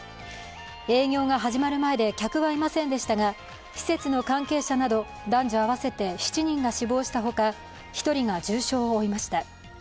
営業が始まる前で客はいませんでしたが、施設の関係者など男女合わせて７人が死亡したほか１人が重傷を負いました。